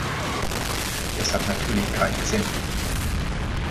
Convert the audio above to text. Das hat natürlich keinen Sinn.